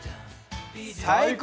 最高！